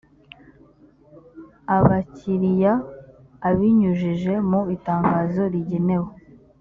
abakiriya abinyujije mu itangazo rigenewe